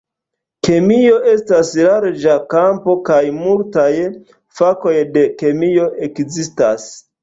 Kemio estas larĝa kampo kaj multaj fakoj de kemio ekzistas.